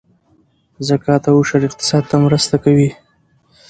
زکات او عشر اقتصاد ته مرسته کوي